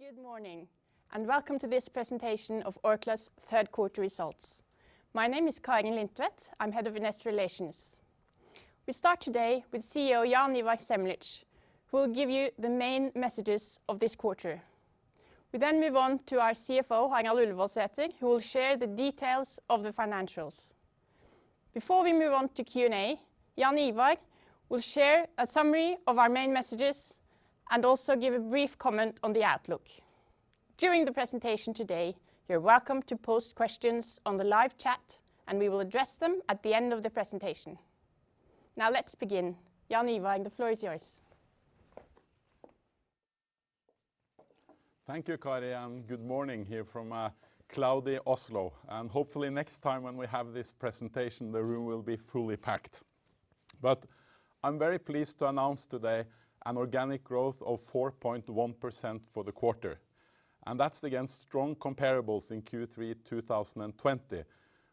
Good morning, and Welcome to This Presentation of Orkla's Q3 Results. My name is Kari Lindtvedt. I'm Head of Investor Relations. We start today with CEO Jaan Ivar Semlitsch, who will give you the main messages of this quarter. We then move on to our CFO, Harald Ullevoldsæter, who will share the details of the financials. Before we move on to Q&A, Jaan Ivar will share a summary of our main messages and also give a brief comment on the outlook. During the presentation today, you're welcome to post questions on the live chat, and we will address them at the end of the presentation. Now let's begin. Jaan Ivar, the floor is yours. Thank you, Kari. Good morning here from cloudy Oslo, and hopefully next time when we have this presentation, the room will be fully packed. I'm very pleased to announce today an organic growth of 4.1% for the quarter, and that's against strong comparables in Q3 2020,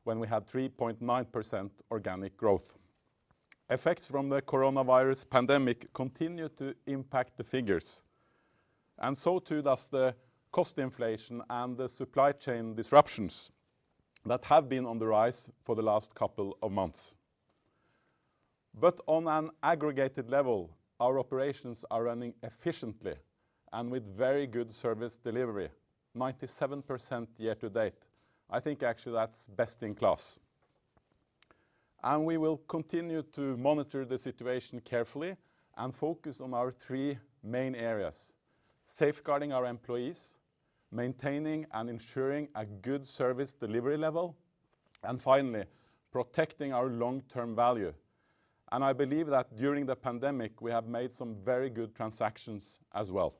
when we had 3.9% organic growth. Effects from the coronavirus pandemic continue to impact the figures, and so too does the cost inflation and the supply chain disruptions that have been on the rise for the last couple of months. On an aggregated level, our operations are running efficiently and with very good service delivery, 97% year to date. I think actually that's best in class. We will continue to monitor the situation carefully and focus on our three main areas: safeguarding our employees, maintaining and ensuring a good service delivery level, and finally, protecting our long-term value. I believe that during the pandemic, we have made some very good transactions as well.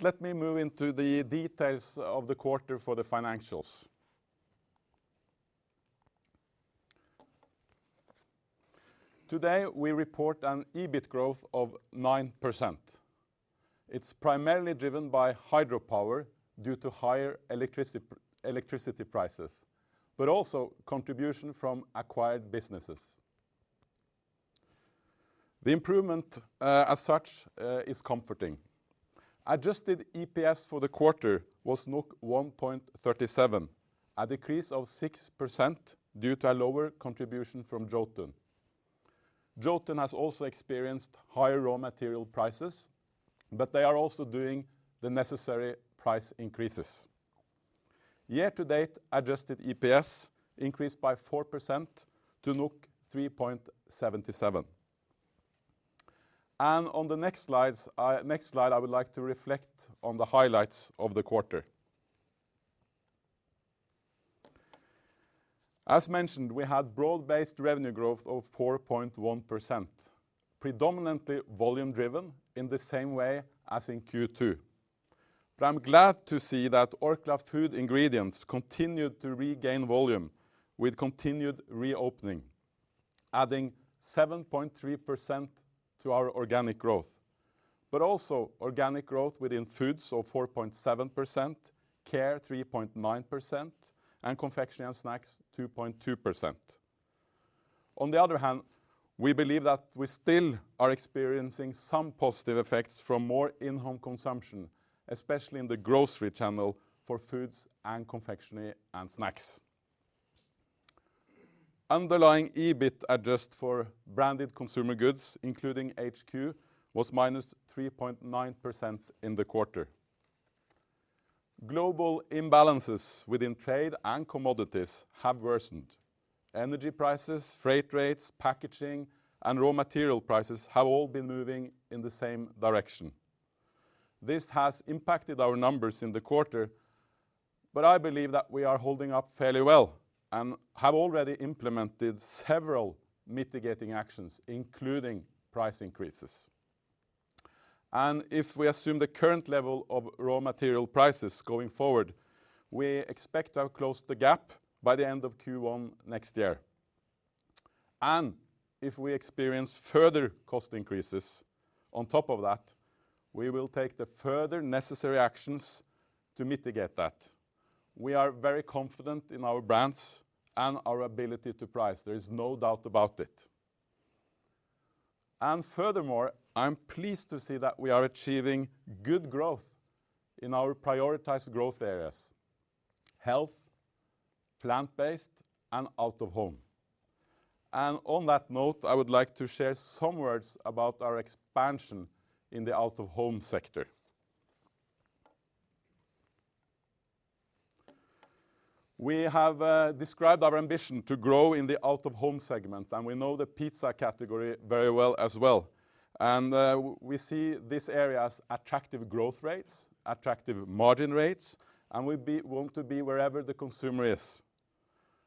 Let me move into the details of the quarter for the financials. Today, we report an EBIT growth of 9%. It's primarily driven by hydropower due to higher electricity prices, but also contribution from acquired businesses. The improvement, as such, is comforting. Adjusted EPS for the quarter was 1.37, a decrease of 6% due to a lower contribution from Jotun. Jotun has also experienced higher raw material prices, but they are also doing the necessary price increases. Year to date, adjusted EPS increased by 4% to 3.77. On the next slides, next slide, I would like to reflect on the highlights of the quarter. As mentioned, we had broad-based revenue growth of 4.1%, predominantly volume driven in the same way as in Q2. I'm glad to see that Orkla Food Ingredients continued to regain volume with continued reopening, adding 7.3% to our organic growth. Also organic growth within foods of 4.7%, care 3.9%, and confectionery and snacks 2.2%. On the other hand, we believe that we still are experiencing some positive effects from more in-home consumption, especially in the grocery channel for foods and confectionery and snacks. Underlying EBIT adjusted for branded consumer goods, including HQ, was -3.9% in the quarter. Global imbalances within trade and commodities have worsened. Energy prices, freight rates, packaging, and raw material prices have all been moving in the same direction. This has impacted our numbers in the quarter, but I believe that we are holding up fairly well and have already implemented several mitigating actions, including price increases. If we assume the current level of raw material prices going forward, we expect to have closed the gap by the end of Q1 next year. If we experience further cost increases on top of that, we will take the further necessary actions to mitigate that. We are very confident in our brands and our ability to price. There is no doubt about it. Furthermore, I'm pleased to see that we are achieving good growth in our prioritized growth areas, health, plant-based and out-of-home. On that note, I would like to share some words about our expansion in the out-of-home sector. We have described our ambition to grow in the out-of-home segment, and we know the pizza category very well as well. We see this area as attractive growth rates, attractive margin rates, and want to be wherever the consumer is,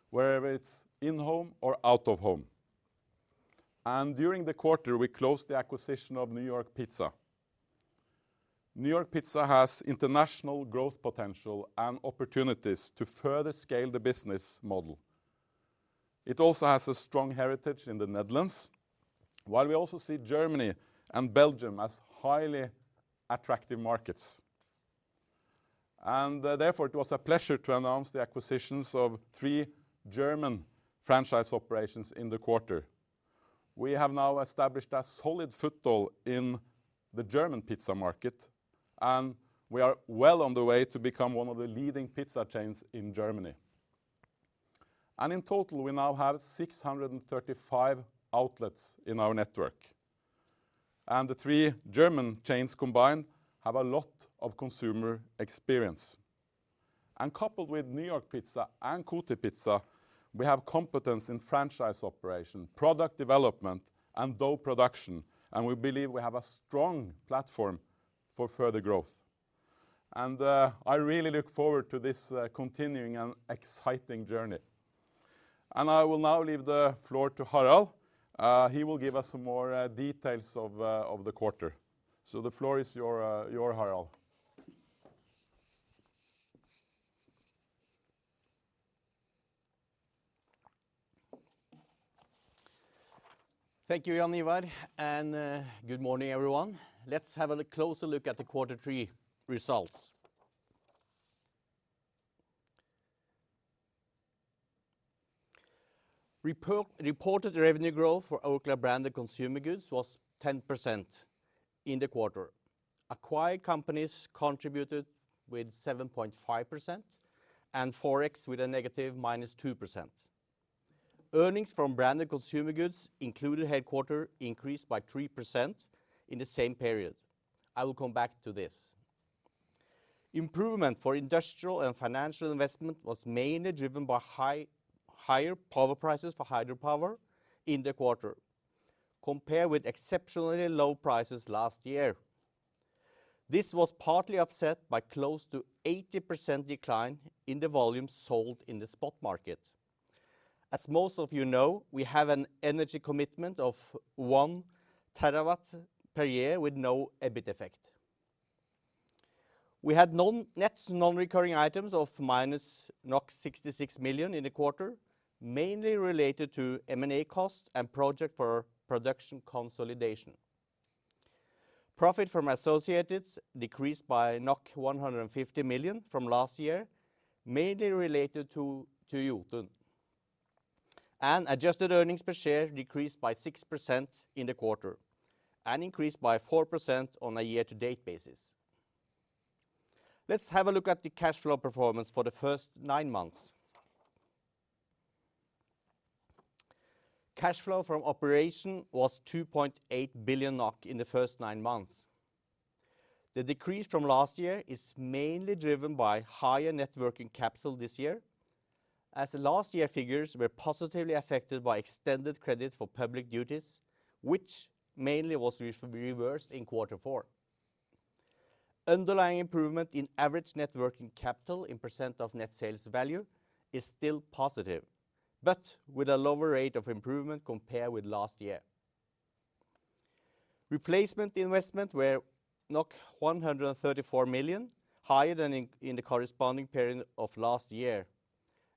whether it's in-home or out-of-home. During the quarter, we closed the acquisition of New York Pizza. New York Pizza has international growth potential and opportunities to further scale the business model. It also has a strong heritage in the Netherlands, while we also see Germany and Belgium as highly attractive markets. Therefore it was a pleasure to announce the acquisitions of three German franchise operations in the quarter. We have now established a solid foothold in the German pizza market, and we are well on the way to become one of the leading pizza chains in Germany. In total, we now have 635 outlets in our network. The three German chains combined have a lot of consumer experience. Coupled with New York Pizza and Kotipizza, we have competence in franchise operation, product development and dough production and we believe we have a strong platform for further growth. I really look forward to this continuing and exciting journey. I will now leave the floor to Harald. He will give us some more details of the quarter. The floor is yours, Harald. Thank you, Jaan Ivar, and good morning, everyone. Let's have a closer look at the quarter three results. Reported revenue growth for Orkla Branded Consumer Goods was 10% in the quarter. Acquired companies contributed with 7.5% and forex with a negative -2%. Earnings from Branded Consumer Goods, including headquarters, increased by 3% in the same period. I will come back to this. Improvement for industrial and financial investment was mainly driven by higher power prices for hydropower in the quarter compared with exceptionally low prices last year. This was partly offset by close to 80% decline in the volume sold in the spot market. As most of you know, we have an energy commitment of one TW per year with no EBIT effect. We had net non-recurring items of -66 million in the quarter, mainly related to M&A costs and project for production consolidation. Profit from associates decreased by 150 million from last year, mainly related to Jotun. Adjusted earnings per share decreased by 6% in the quarter and increased by 4% on a year-to-date basis. Let's have a look at the cash flow performance for the first nine months. Cash flow from operations was 2.8 billion NOK in the first nine months. The decrease from last year is mainly driven by higher net working capital this year, as the last year figures were positively affected by extended credits for public duties, which mainly was reversed in Q4. Underlying improvement in average net working capital in percent of net sales value is still positive, but with a lower rate of improvement compared with last year. Replacement investment were 134 million, higher than in the corresponding period of last year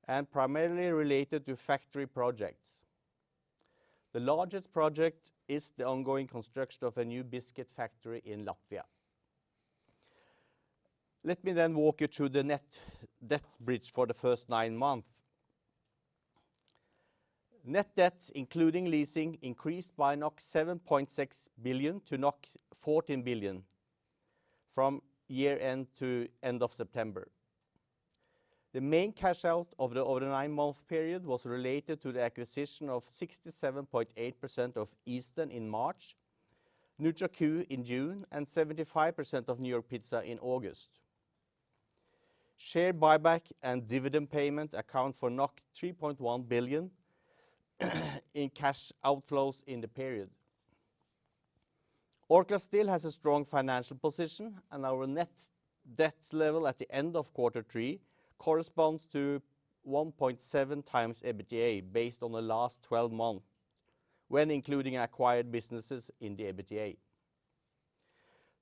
and primarily related to factory projects. The largest project is the ongoing construction of a new biscuit factory in Latvia. Let me walk you through the net debt bridge for the first nine months. Net debts, including leasing, increased by 7.6 billion to 14 billion from year-end to end of September. The main cash out of the over nine-month period was related to the acquisition of 67.8% of Eastern in March, NutraQ in June, and 75% of New York Pizza in August. Share buyback and dividend payment account for 3.1 billion in cash outflows in the period. Orkla still has a strong financial position and our net debt level at the end of quarter three corresponds to 1.7x EBITDA based on the last 12 months when including acquired businesses in the EBITDA.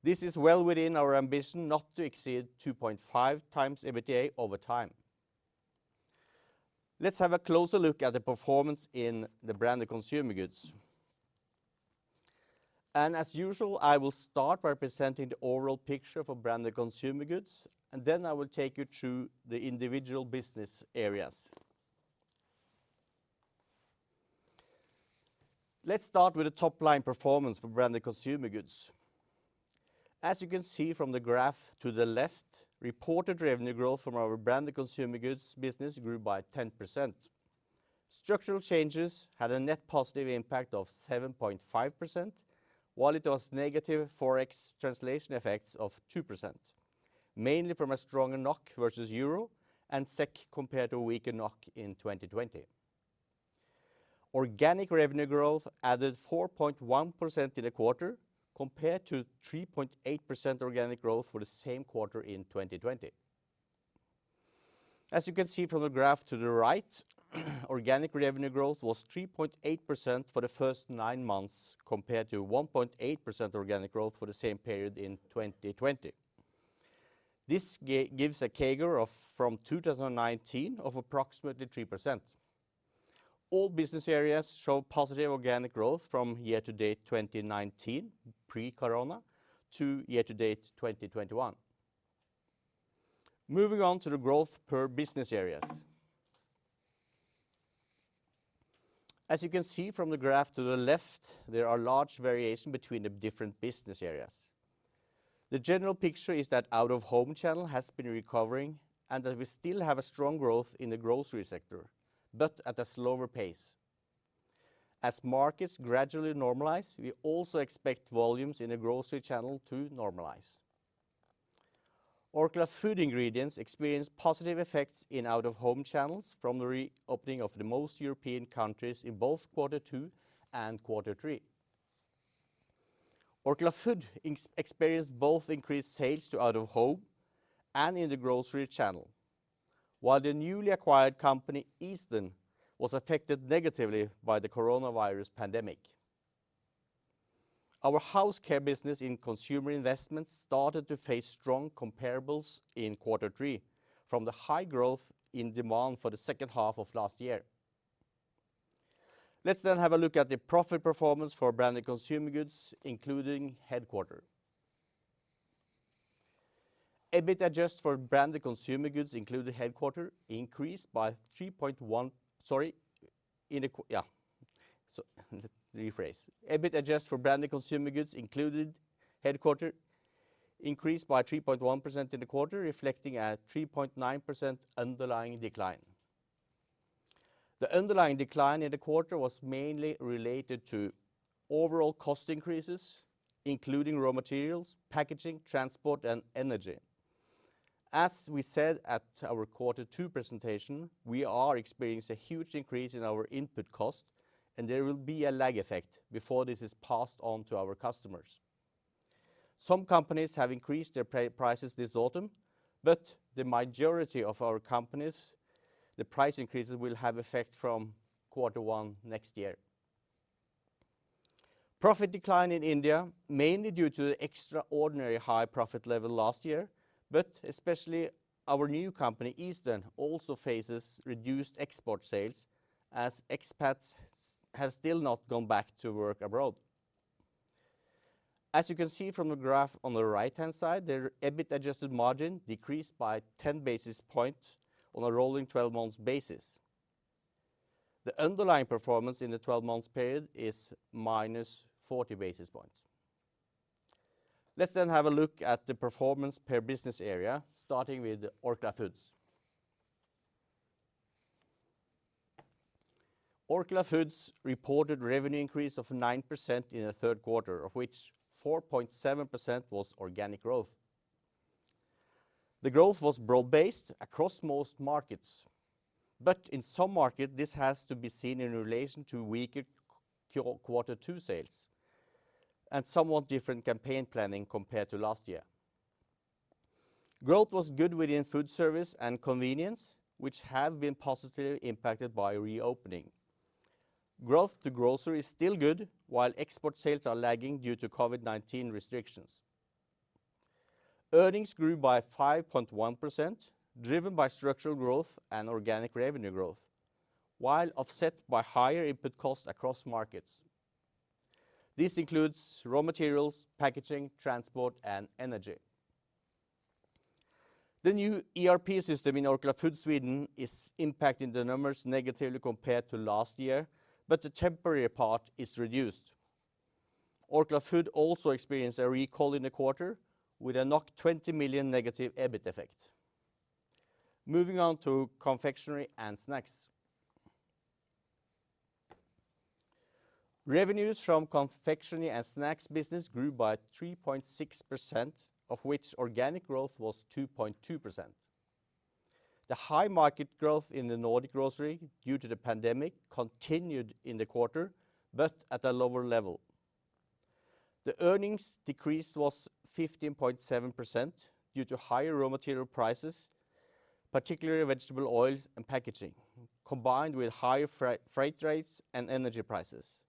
This is well within our ambition not to exceed 2.5x EBITDA over time. Let's have a closer look at the performance in the Branded Consumer Goods. As usual, I will start by presenting the overall picture for Branded Consumer Goods, and then I will take you through the individual business areas. Let's start with the top-line performance for Branded Consumer Goods. As you can see from the graph to the left, reported revenue growth from our Branded Consumer Goods business grew by 10%. Structural changes had a net positive impact of 7.5%, while it was negative forex translation effects of 2%, mainly from a stronger NOK versus EUR and SEK compared to weaker NOK in 2020. Organic revenue growth added 4.1% in the quarter compared to 3.8% organic growth for the same quarter in 2020. As you can see from the graph to the right, organic revenue growth was 3.8% for the first nine months compared to 1.8% organic growth for the same period in 2020. This gives a CAGR of from 2019 of approximately 3%. All business areas show positive organic growth from year to date 2019, pre-corona, to year to date, 2021. Moving on to the growth per business areas. As you can see from the graph to the left, there are large variation between the different business areas. The general picture is that out-of-home channel has been recovering and that we still have a strong growth in the grocery sector, but at a slower pace. As markets gradually normalize, we also expect volumes in the grocery channel to normalize. Orkla Food Ingredients experienced positive effects in out-of-home channels from the reopening of the most European countries in both Q2 and Q3. Orkla Foods experienced both increased sales to out-of-home and in the grocery channel. While the newly acquired company, Eastern, was affected negatively by the coronavirus pandemic. Our House Care business in Orkla Care started to face strong comparables in Q3 from the high growth in demand for the H2 of last year. Let's have a look at the profit performance for Branded Consumer Goods, including headquarters. EBIT adjusted for Branded Consumer Goods, including headquarters, increased by 3.1% in the quarter, reflecting a 3.9% underlying decline. The underlying decline in the quarter was mainly related to overall cost increases, including raw materials, packaging, transport, and energy. As we said at our Q2 presentation, we are experiencing a huge increase in our input cost, and there will be a lag effect before this is passed on to our customers. Some companies have increased their prices this autumn, but the majority of our companies, the price increases will have effect from Q1 next year. Profit decline in India, mainly due to the extraordinary high profit level last year, but especially our new company, Eastern, also faces reduced export sales as expats have still not gone back to work abroad. As you can see from the graph on the right-hand side, their EBIT-adjusted margin decreased by 10 basis points on a rolling 12-month basis. The underlying performance in the twelve-month period is -40 basis points. Let's have a look at the performance per business area, starting with Orkla Foods. Orkla Foods reported revenue increase of 9% in the Q3, of which 4.7% was organic growth. The growth was broad-based across most markets, but in some markets, this has to be seen in relation to weaker Q2 sales and somewhat different campaign planning compared to last year. Growth was good within food service and convenience, which have been positively impacted by reopening. Growth in grocery is still good, while export sales are lagging due to COVID-19 restrictions. Earnings grew by 5.1%, driven by structural growth and organic revenue growth, while offset by higher input costs across markets. This includes raw materials, packaging, transport, and energy. The new ERP system in Orkla Foods Sweden is impacting the numbers negatively compared to last year, but the temporary part is reduced. Orkla Foods also experienced a recall in the quarter with a 20 million negative EBIT effect. Moving on to confectionery and snacks. Revenues from confectionery and snacks business grew by 3.6%, of which organic growth was 2.2%. The high market growth in the Nordic grocery due to the pandemic continued in the quarter, but at a lower level. The earnings decrease was 15.7% due to higher raw material prices, particularly vegetable oils and packaging, combined with higher freight rates and energy prices.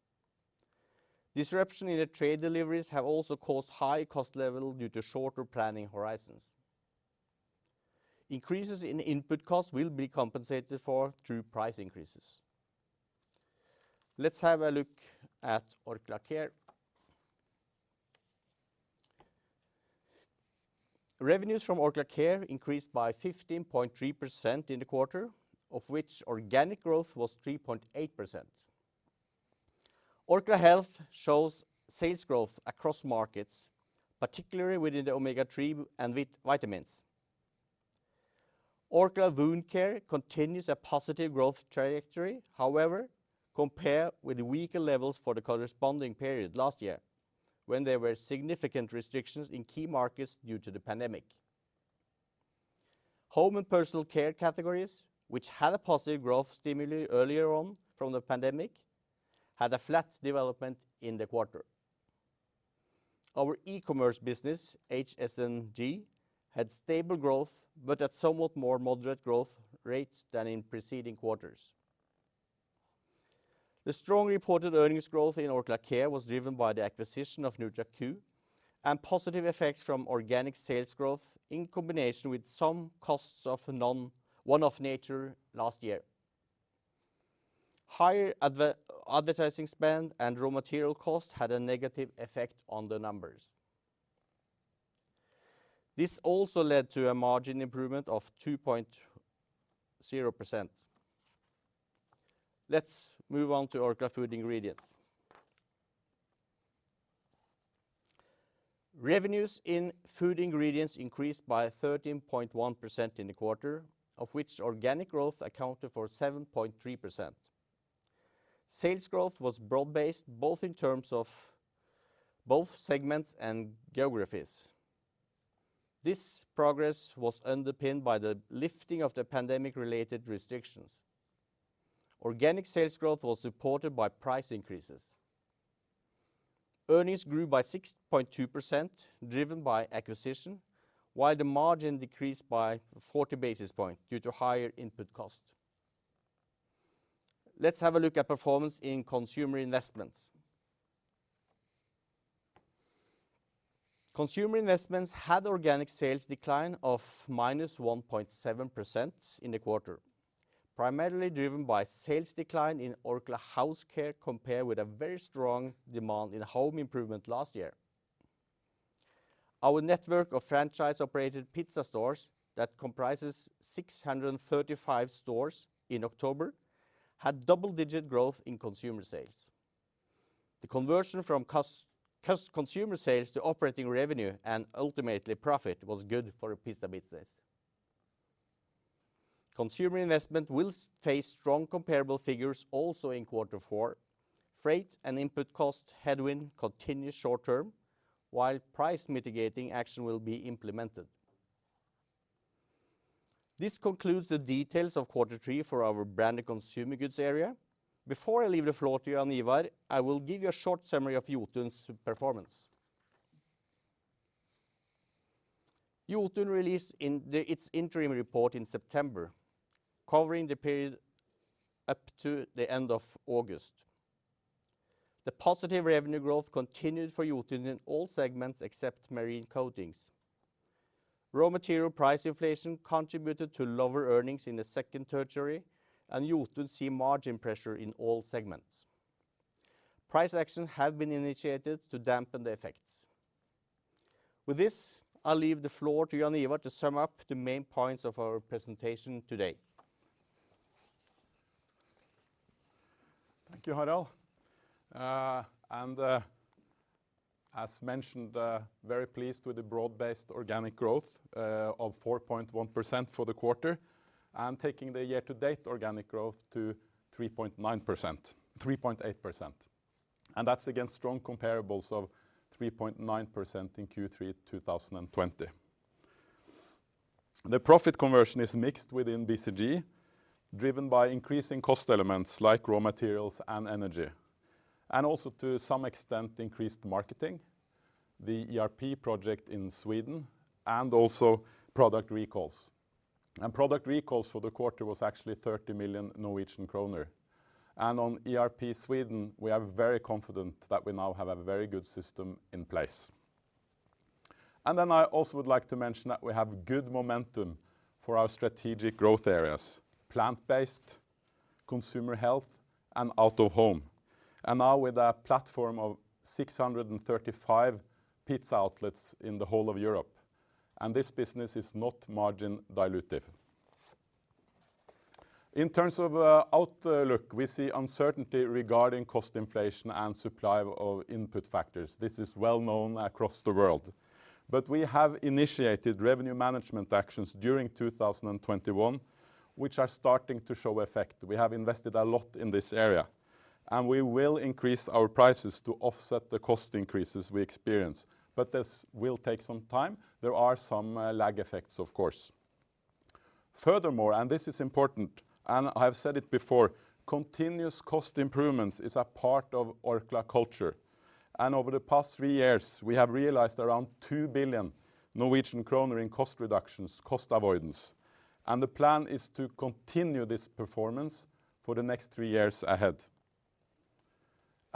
Disruptions in the trade deliveries have also caused high cost levels due to shorter planning horizons. Increases in input costs will be compensated for through price increases. Let's have a look at Orkla Care. Revenues from Orkla Care increased by 15.3% in the quarter, of which organic growth was 3.8%. Orkla Health shows sales growth across markets, particularly within the Omega-3 and vitamins. Orkla Wound Care continues a positive growth trajectory, however, compared with weaker levels for the corresponding period last year, when there were significant restrictions in key markets due to the pandemic. Home and personal care categories, which had a positive growth stimulus earlier on from the pandemic, had a flat development in the quarter. Our e-commerce business, HSNG, had stable growth, but at somewhat more moderate growth rates than in preceding quarters. The strong reported earnings growth in Orkla Care was driven by the acquisition of NutraQ and positive effects from organic sales growth in combination with some costs of one-off nature last year. Higher advertising spend and raw material costs had a negative effect on the numbers. This also led to a margin improvement of 2.0%. Let's move on to Orkla Food Ingredients. Revenues in Food Ingredients increased by 13.1% in the quarter, of which organic growth accounted for 7.3%. Sales growth was broad-based, both in terms of segments and geographies. This progress was underpinned by the lifting of the pandemic-related restrictions. Organic sales growth was supported by price increases. Earnings grew by 6.2% driven by acquisition, while the margin decreased by 40 basis points due to higher input costs. Let's have a look at performance in consumer investments. Consumer investments had organic sales decline of -1.7% in the quarter, primarily driven by sales decline in Orkla House Care compared with a very strong demand in home improvement last year. Our network of franchise-operated pizza stores that comprises 635 stores in October had double-digit growth in consumer sales. The conversion from consumer sales to operating revenue and ultimately profit was good for the pizza business. Consumer investment will face strong comparable figures also in Q4. Freight and input cost headwind continues short term, while price mitigating action will be implemented. This concludes the details of Q3 for our Branded Consumer Goods area. Before I leave the floor to Jan Ivar, I will give you a short summary of Jotun's performance. Jotun released its interim report in September, covering the period up to the end of August. The positive revenue growth continued for Jotun in all segments except marine coatings. Raw material price inflation contributed to lower earnings in the Q2, and Jotun sees margin pressure in all segments. Price actions have been initiated to dampen the effects. With this, I leave the floor to Jan Ivar to sum up the main points of our presentation today. Thank you, Harald. As mentioned, very pleased with the broad-based organic growth of 4.1% for the quarter, and taking the year-to-date organic growth to 3.8%. That's against strong comparables of 3.9% in Q3 2020. The profit conversion is mixed within BCG, driven by increasing cost elements like raw materials and energy, and also to some extent, increased marketing, the ERP project in Sweden, and also product recalls. Product recalls for the quarter was actually 30 million Norwegian kroner. On ERP Sweden, we are very confident that we now have a very good system in place. I also would like to mention that we have good momentum for our strategic growth areas, plant-based, consumer health, and out-of-home. Now with a platform of 635 pizza outlets in the whole of Europe, this business is not margin dilutive. In terms of outlook, we see uncertainty regarding cost inflation and supply of input factors. This is well known across the world. We have initiated revenue management actions during 2021, which are starting to show effect. We have invested a lot in this area, and we will increase our prices to offset the cost increases we experience. This will take some time. There are some lag effects, of course. Furthermore, and this is important, and I've said it before, continuous cost improvements is a part of Orkla culture. Over the past three years, we have realized around 2 billion Norwegian kroner in cost reductions, cost avoidance. The plan is to continue this performance for the next three years ahead.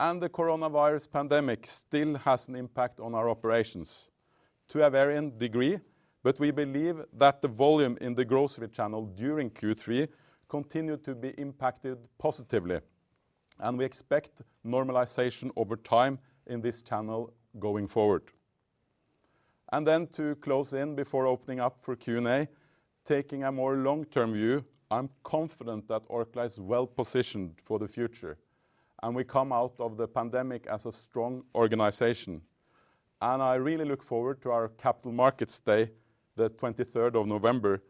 The coronavirus pandemic still has an impact on our operations to a varying degree, but we believe that the volume in the grocery channel during Q3 continued to be impacted positively, and we expect normalization over time in this channel going forward. Then to close in before opening up for Q&A, taking a more long-term view, I'm confident that Orkla is well-positioned for the future, and we come out of the pandemic as a strong organization. I really look forward to our Capital Markets Day, the November 23rd,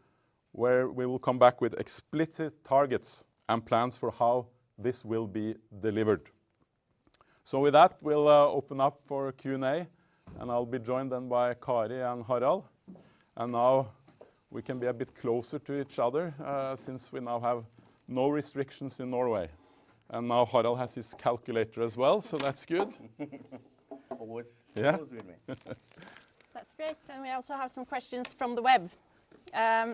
where we will come back with explicit targets and plans for how this will be delivered. With that, we'll open up for Q&A, and I'll be joined then by Kari and Harald. Now we can be a bit closer to each other, since we now have no restrictions in Norway. Now Harald has his calculator as well, so that's good. Always- Yeah with me. Great. We also have some questions from the web.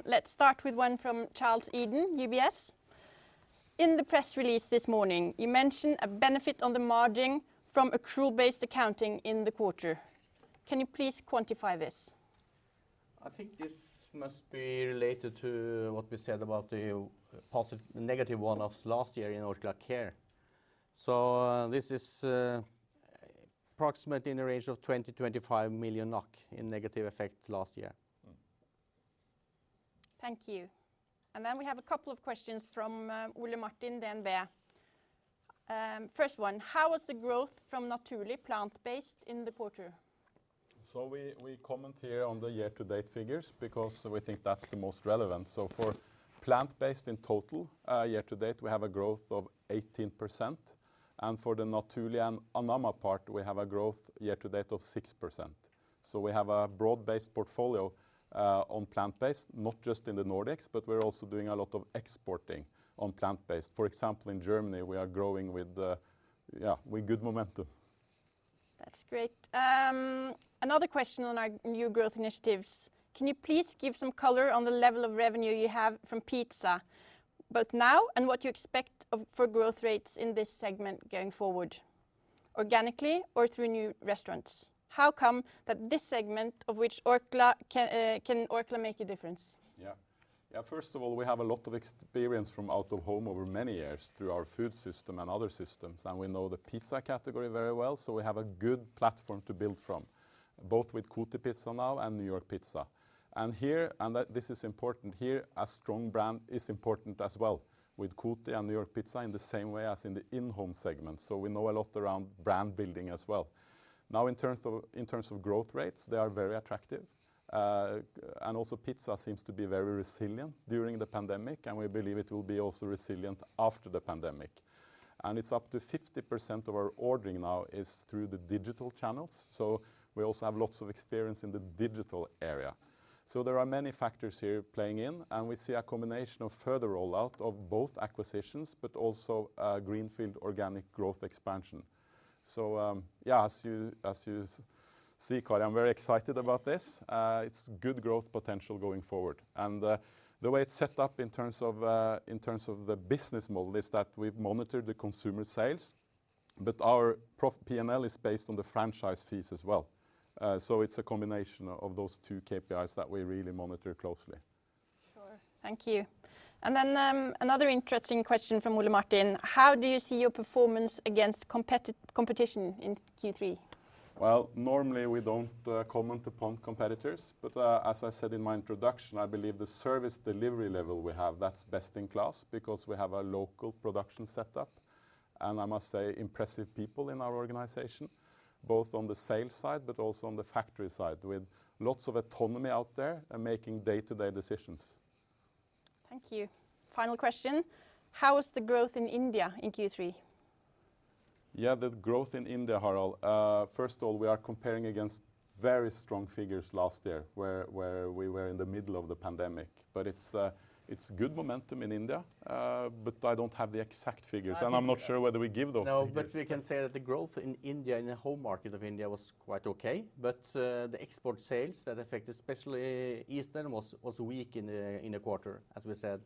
Let's start with one from Charles Eden, UBS. In the press release this morning, you mentioned a benefit on the margin from accrual-based accounting in the quarter. Can you please quantify this? I think this must be related to what we said about the negative one-offs last year in Orkla Care. This is approximately in the range of 20 to 25 million in negative effect last year. Thank you. We have a couple of questions from Ole Martin, DNB. First one, how was the growth from Naturli' plant-based in the quarter? We comment here on the year-to-date figures because we think that's the most relevant. For plant-based in total, year to date, we have a growth of 18%, and for the Naturli' and Anamma part, we have a growth year to date of 6%. We have a broad-based portfolio on plant-based, not just in the Nordics, but we're also doing a lot of exporting on plant-based. For example, in Germany, we are growing with good momentum. That's great. Another question on our new growth initiatives. Can you please give some color on the level of revenue you have from pizza, both now and what you expect for growth rates in this segment going forward, organically or through new restaurants? How come that this segment in which Orkla can make a difference? Yeah. Yeah, first of all, we have a lot of experience from out of home over many years through our food system and other systems, and we know the pizza category very well, so we have a good platform to build from, both with Kotipizza now and New York Pizza. Here, that this is important here, a strong brand is important as well, with Kotipizza and New York Pizza in the same way as in the in-home segment. We know a lot around brand building as well. Now in terms of growth rates, they are very attractive. And also pizza seems to be very resilient during the pandemic, and we believe it will be also resilient after the pandemic. It's up to 50% of our ordering now is through the digital channels, so we also have lots of experience in the digital area. There are many factors here playing in, and we see a combination of further rollout of both acquisitions but also greenfield organic growth expansion. Yeah, as you see, Kari, I'm very excited about this. It's good growth potential going forward. The way it's set up in terms of the business model is that we've monitored the consumer sales, but our P&L is based on the franchise fees as well. So it's a combination of those two KPIs that we really monitor closely. Sure. Thank you. Another interesting question from Ole Martin. How do you see your performance against competition in Q3? Well, normally we don't comment upon competitors, but as I said in my introduction, I believe the service delivery level we have, that's best in class because we have a local production setup and, I must say, impressive people in our organization, both on the sales side but also on the factory side, with lots of autonomy out there and making day-to-day decisions. Thank you. Final question. How was the growth in India in Q3? Yeah, the growth in India, Harald, first of all, we are comparing against very strong figures last year where we were in the middle of the pandemic. It's good momentum in India, but I don't have the exact figures, and I'm not sure whether we give those figures. No, we can say that the growth in India, in the home market of India, was quite okay. The export sales that affect especially Eastern was weak in the quarter, as we said,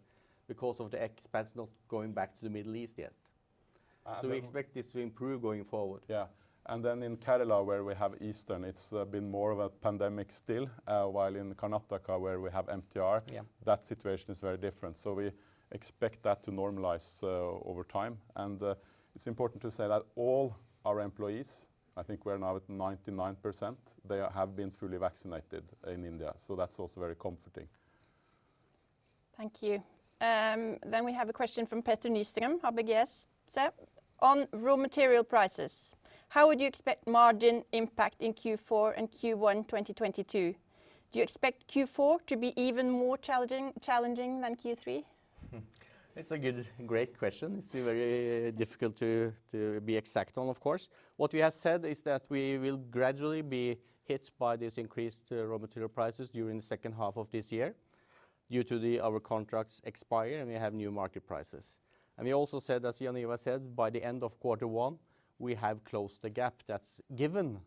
because of the expats not going back to the Middle East yet. We expect this to improve going forward. Yeah. In Kerala, where we have Eastern, it's been more of a pandemic still, while in Karnataka, where we have MTR. Yeah That situation is very different. We expect that to normalize over time. It's important to say that all our employees, I think we're now at 99%, they have been fully vaccinated in India, so that's also very comforting. Thank you. We have a question from Petter Nyström, ABG Sundal Collier. On raw material prices, how would you expect margin impact in Q4 and Q1 2022? Do you expect Q4 to be even more challenging than Q3? It's a good, great question. It's very difficult to be exact on, of course. What we have said is that we will gradually be hit by this increased raw material prices during the H2 of this year due to our contracts expire, and we have new market prices. We also said, as Jaan Ivar said, by the end of Q1, we have closed the gap that's given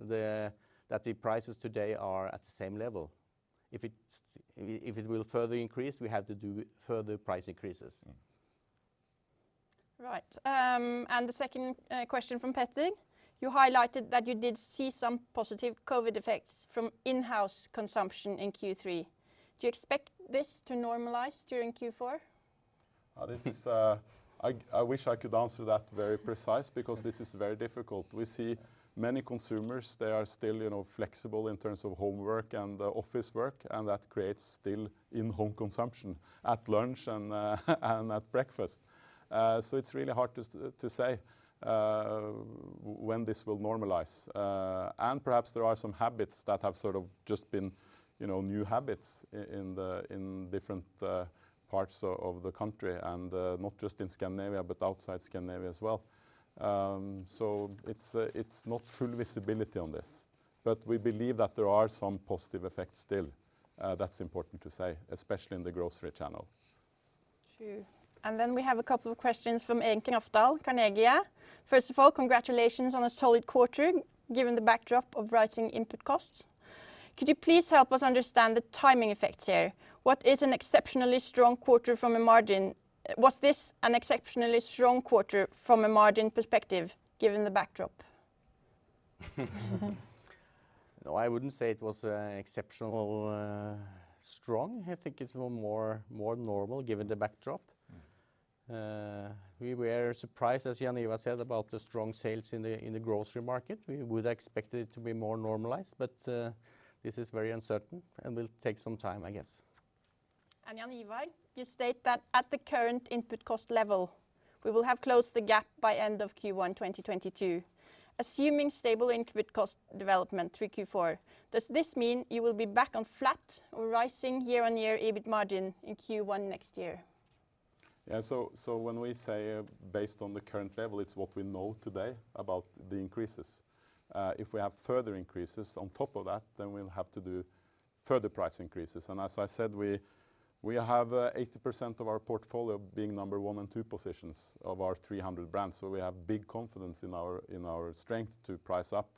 that the prices today are at the same level. If it will further increase, we have to do further price increases. Mm. Right. The second question from Petter. You highlighted that you did see some positive COVID effects from in-house consumption in Q3. Do you expect this to normalize during Q4? I wish I could answer that very precisely because this is very difficult. We see many consumers, they are still, you know, flexible in terms of home work and office work, and that creates still in-home consumption at lunch and at breakfast. It's really hard to say when this will normalize. Perhaps there are some habits that have sort of just been, you know, new habits in different parts of the country and not just in Scandinavia but outside Scandinavia as well. It's not full visibility on this, but we believe that there are some positive effects still, that's important to say, especially in the grocery channel. True. We have a couple of questions from Eirik Rafdal, Carnegie. First of all, congratulations on a solid quarter, given the backdrop of rising input costs. Could you please help us understand the timing effects here? What is an exceptionally strong quarter from a margin? Was this an exceptionally strong quarter from a margin perspective, given the backdrop? No, I wouldn't say it was exceptional strong. I think it's more normal given the backdrop. We were surprised, as Jan Ivar said, about the strong sales in the grocery market. We would expect it to be more normalized, but this is very uncertain, and will take some time, I guess. Jaan Ivar, you state that at the current input cost level, we will have closed the gap by end of Q1 2022, assuming stable input cost development through Q4. Does this mean you will be back on flat or rising year-on-year EBIT margin in Q1 next year? When we say based on the current level, it's what we know today about the increases. If we have further increases on top of that, then we'll have to do further price increases. As I said, we have 80% of our portfolio being number one and two positions of our 300 brands, so we have big confidence in our strength to price up.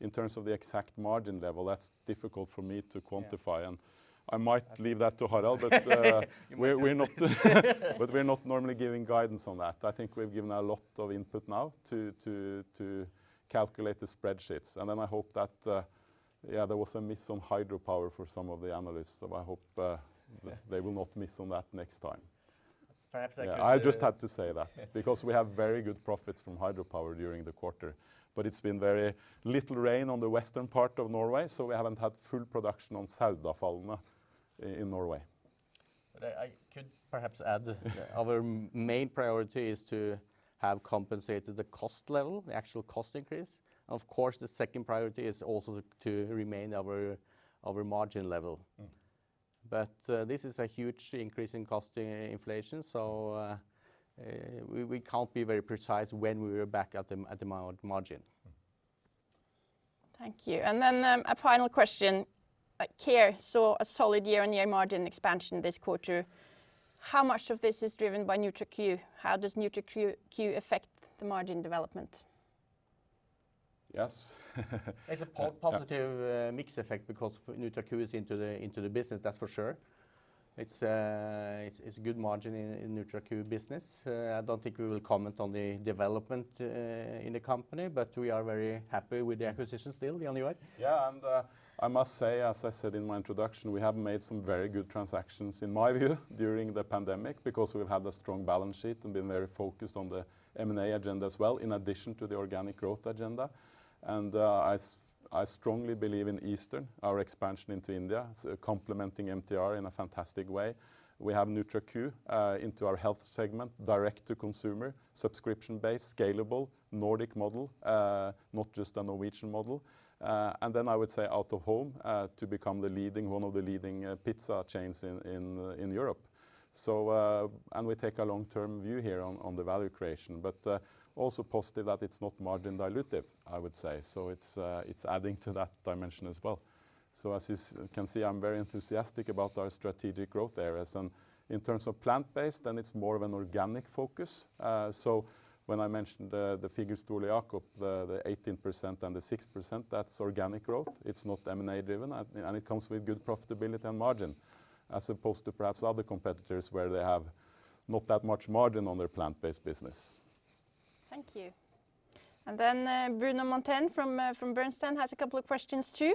In terms of the exact margin level, that's difficult for me to quantify. Yeah. I might leave that to Harald, but. You might We're not normally giving guidance on that. I think we've given a lot of input now to calculate the spreadsheets, and then I hope that yeah there was a miss on hydropower for some of the analysts, so I hope. Yeah They will not miss on that next time. Perhaps I could. Yeah, I just had to say that because we have very good profits from hydropower during the quarter, but it's been very little rain on the western part of Norway, so we haven't had full production on Saudefaldene in Norway. I could perhaps add our main priority is to have compensated the cost level, the actual cost increase. Of course, the second priority is also to remain our margin level. Mm. This is a huge increase in cost inflation, so we can't be very precise when we are back at the margin. Mm. Thank you. A final question. Care saw a solid year-on-year margin expansion this quarter. How much of this is driven by NutraQ? How does NutraQ acquisition affect the margin development? Yes. It's a positive mix effect because NutraQ is into the business, that's for sure. It's good margin in NutraQ business. I don't think we will comment on the development in the company, but we are very happy with the acquisition still. Jaan Ivar? I must say, as I said in my introduction, we have made some very good transactions in my view during the pandemic because we've had a strong balance sheet and been very focused on the M&A agenda as well, in addition to the organic growth agenda. I strongly believe in Eastern, our expansion into India, so complementing MTR in a fantastic way. We have NutraQ into our health segment, direct to consumer, subscription-based, scalable, Nordic model, not just a Norwegian model. I would say Out of Home to become one of the leading pizza chains in Europe. We take a long-term view here on the value creation, but also positive that it's not margin dilutive, I would say. It's adding to that dimension as well. As you can see, I'm very enthusiastic about our strategic growth areas. In terms of plant-based, then it's more of an organic focus. When I mentioned the figures to Ole Jacob, the 18% and the 6%, that's organic growth. It's not M&A driven, and it comes with good profitability and margin, as opposed to perhaps other competitors where they have not that much margin on their plant-based business. Thank you. Bruno Monteyne from Bernstein has a couple of questions too.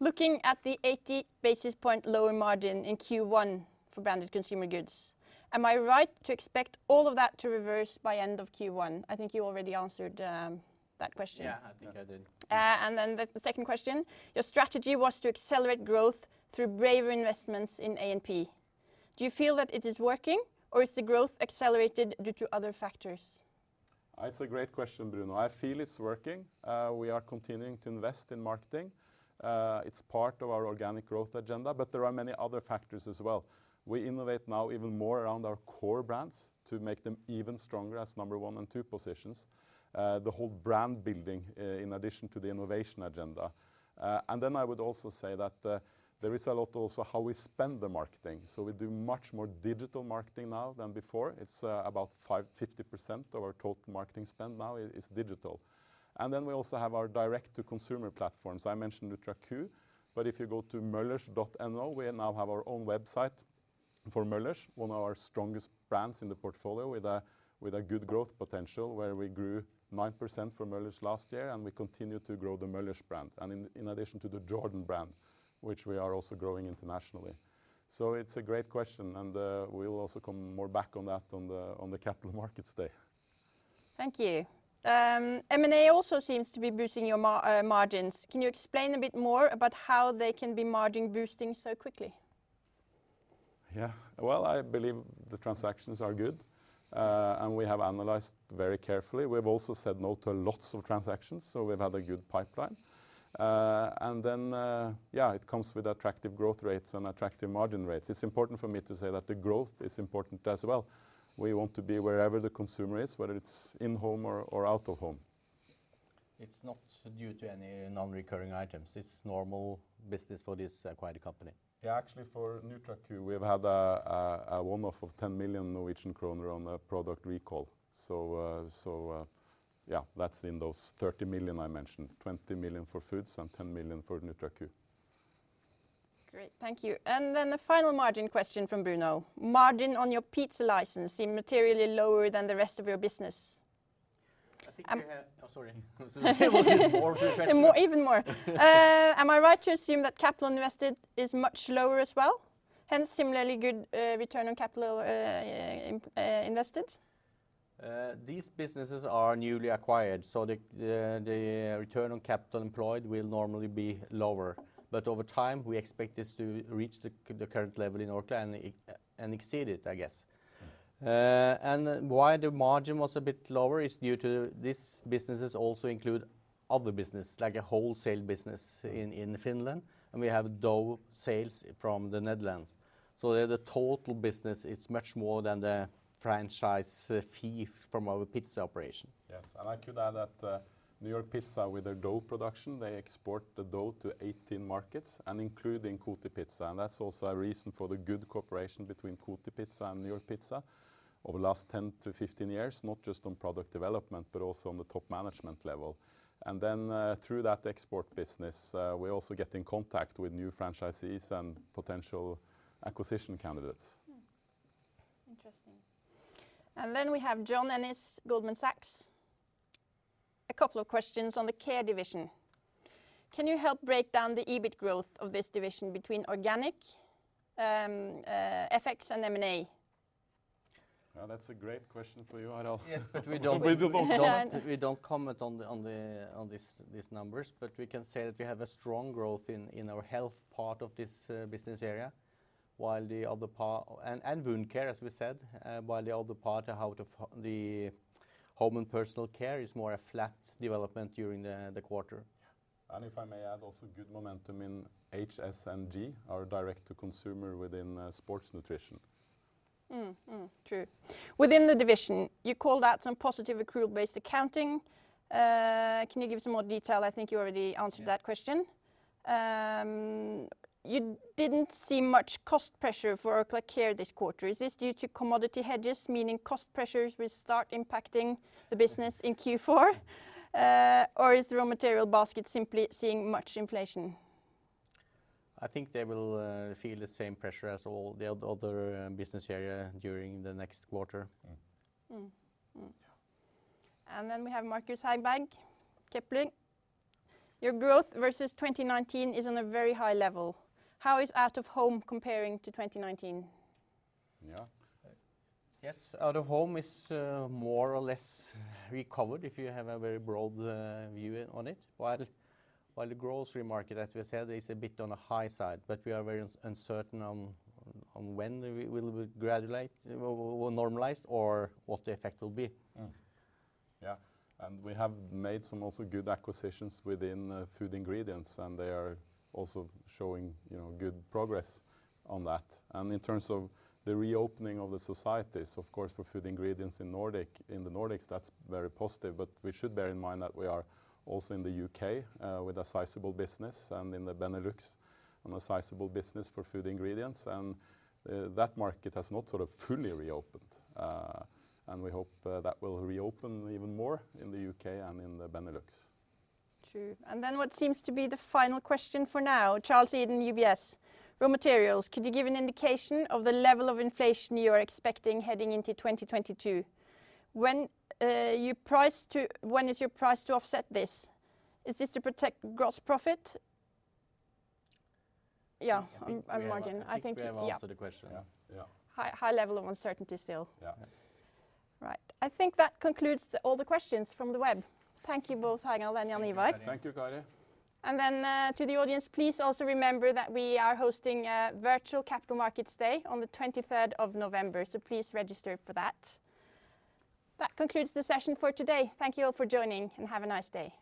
Looking at the 80 basis point lower margin in Q1 for Branded Consumer Goods, am I right to expect all of that to reverse by end of Q1? I think you already answered that question. Yeah, I think I did. Yeah. The second question, your strategy was to accelerate growth through braver investments in A&P. Do you feel that it is working or is the growth accelerated due to other factors? It's a great question, Bruno. I feel it's working. We are continuing to invest in marketing. It's part of our organic growth agenda, but there are many other factors as well. We innovate now even more around our core brands to make them even stronger as number one and two positions, the whole brand building in addition to the innovation agenda. I would also say that there is a lot also how we spend the marketing. We do much more digital marketing now than before. It's about 50% of our total marketing spend now is digital. We also have our direct to consumer platforms. I mentioned NutraQ, but if you go to möller's.no, we now have our own website for Möller's, one of our strongest brands in the portfolio with a good growth potential where we grew 9% for Möller's last year and we continue to grow the Möller's brand, and in addition to the Jordan brand, which we are also growing internationally. It's a great question, and we will also come more back on that on the Capital Markets Day. Thank you. M&A also seems to be boosting your margins. Can you explain a bit more about how they can be margin boosting so quickly? Yeah. Well, I believe the transactions are good, and we have analyzed very carefully. We've also said no to lots of transactions, so we've had a good pipeline. Yeah, it comes with attractive growth rates and attractive margin rates. It's important for me to say that the growth is important as well. We want to be wherever the consumer is, whether it's in home or out of home. It's not due to any non-recurring items. It's normal business for this acquired company. Yeah, actually for NutraQ, we've had a one-off of 10 million Norwegian kroner on a product recall. Yeah, that's in those 30 million I mentioned. 20 million for Foods and 10 million for NutraQ. Great. Thank you. The final margin question from Bruno. Margin on your pizza lines seems materially lower than the rest of your business. I think we have. Um- Oh, sorry. This is a little bit more comprehensive. Even more. Am I right to assume that capital invested is much lower as well, hence similarly good return on capital invested? These businesses are newly acquired, so the return on capital employed will normally be lower. Over time, we expect this to reach the current level in Orkla and exceed it, I guess. Why the margin was a bit lower is due to these businesses also include other business, like a wholesale business in Finland, and we have dough sales from the Netherlands. The total business is much more than the franchise fee from our pizza operation. Yes. I could add that, New York Pizza with their dough production, they export the dough to 18 markets including Kotipizza, and that's also a reason for the good cooperation between Kotipizza and New York Pizza over the last 10 to 15 years, not just on product development, but also on the top management level. Then, through that export business, we also get in contact with new franchisees and potential acquisition candidates. Interesting. We have John Ennis, Goldman Sachs. A couple of questions on the Care division. Can you help break down the EBIT growth of this division between organic, FX and M&A? Well, that's a great question for you, Harald. Yes, but we don't. We don't. We don't comment on these numbers, but we can say that we have a strong growth in our Health part of this business area and Wound Care, as we said, while the other part of the Home and Personal Care is more of a flat development during the quarter. If I may add also good momentum in HSNG, our direct to consumer within sports nutrition. True. Within the division, you called out some positive accrual-based accounting. Can you give some more detail? I think you already answered that question. You didn't see much cost pressure for Orkla Care this quarter. Is this due to commodity hedges, meaning cost pressures will start impacting the business in Q4? Or is the raw material basket simply seeing much inflation? I think they will feel the same pressure as all the other business area during the next quarter. Mm. Mm, mm. Yeah. We have Marcus Hägback, Kepler Cheuvreux. Your growth versus 2019 is on a very high level. How is out of home comparing to 2019? Yeah. Yes, out of home is more or less recovered if you have a very broad view on it. While the grocery market, as we said, is a bit on the high side, but we are very uncertain on when we will graduate or normalize or what the effect will be. We have made some also good acquisitions within Food Ingredients, and they are also showing, you know, good progress on that. In terms of the reopening of the societies, of course, for Food Ingredients in Nordic, in the Nordics, that's very positive. We should bear in mind that we are also in the U.K. with a sizable business and in the Benelux and a sizable business for Food Ingredients, and that market has not sort of fully reopened. We hope that will reopen even more in the U.K. and in the Benelux. True. Then what seems to be the final question for now. Charles Eden, UBS. Raw materials. Could you give an indication of the level of inflation you are expecting heading into 2022? When is your price to offset this? Is this to protect gross profit? Yeah. On margin, I think- I think we have answered the question. Yeah. Yeah. High level of uncertainty still. Yeah. Right. I think that concludes all the questions from the web. Thank you both, Harald and Jan Ivar. Thank you, Kari. Thank you, Kari. To the audience, please also remember that we are hosting a virtual Capital Markets Day on November 23, so please register for that. That concludes the session for today. Thank you all for joining, and have a nice day.